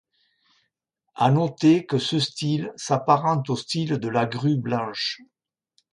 À noter que ce style s'apparente au style de la grue blanche.